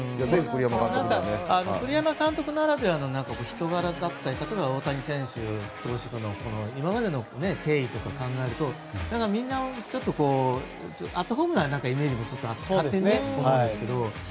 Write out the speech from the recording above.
栗山監督ならではの人柄だったり例えば、大谷選手との今までの経緯とか考えるとみんなアットホームなイメージがあると思うんですけど。